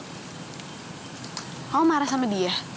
kamu marah sama dia